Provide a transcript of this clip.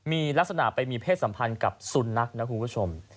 มีลักษณะไปมีเพศสัมพันธ์กับสุนัขนะคุณผู้ชม